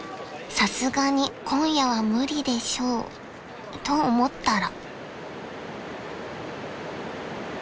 ［さすがに今夜は無理でしょうと思ったら］